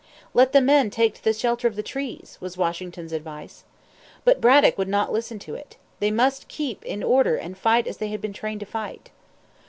"Let the men take to the shelter of the trees!" was Washington's advice. But Braddock would not listen to it. They must keep in order and fight as they had been trained to fight.